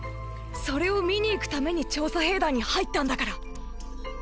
それを見に行くために調査兵団に入ったんだから。